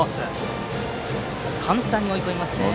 簡単に追い込みますね。